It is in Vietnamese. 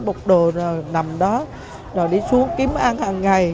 bỏ bọc đồ nằm đó rồi đi xuống kiếm ăn hằng ngày